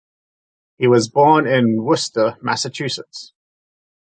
He was born in Worcester, Massachusetts.